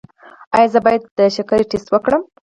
ایا زه باید د شکر ټسټ وکړم؟